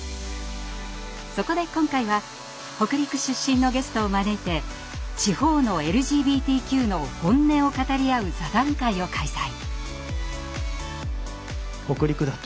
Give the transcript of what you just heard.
そこで今回は北陸出身のゲストを招いて地方のＬＧＢＴＱの本音を語り合う座談会を開催。